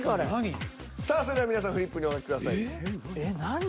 さあそれでは皆さんフリップにお書きください。